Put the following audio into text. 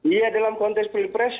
iya dalam konteks pilpres